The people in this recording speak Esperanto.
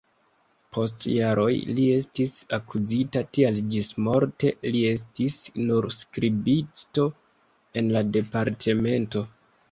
Post jaroj li estis akuzita, tial ĝismorte li estis nur skribisto en la departemento.